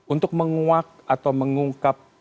untuk menguak atau mengungkap